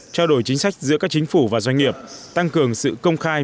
trao đổi chính sách giữa các chính phủ và doanh nghiệp tăng cường sự công khai